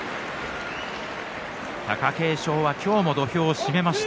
貴景勝は今日も土俵を締めました。